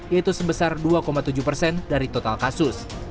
yaitu sebesar dua tujuh persen dari total kasus